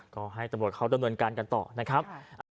ก็ให้ตำรวจเขาดำเนินการกันต่อนะครับ